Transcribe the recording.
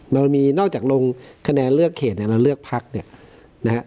เรามีนอกจากลงคะแนนเลือกเขตเนี่ยเราเลือกพักเนี่ยนะฮะ